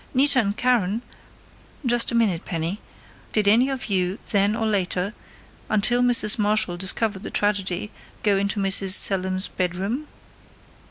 Nita and Karen " "Just a minute, Penny.... Did any of you, then or later, until Mrs. Marshall discovered the tragedy, go into Mrs. Selim's bedroom?"